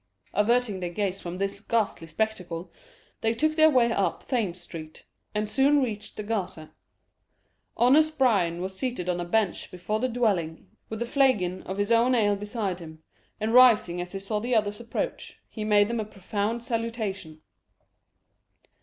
Averting their gaze from this ghastly spectacle, they took their way up Thames Street, and soon reached the Garter. Honest Bryan was seated on a bench before the dwelling, with a flagon of his own ale beside him, and rising as he saw the others approach, he made them a profound salutation.